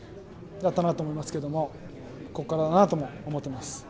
よかったなと思いますけどもここからだとも思います。